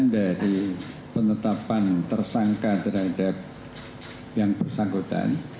dari penetapan tersangka terhadap yang bersangkutan